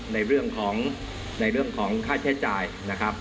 ในเรื่องของค่าใช้จ่ายนะครับ